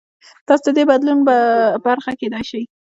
تاسو د دې بدلون برخه کېدای شئ.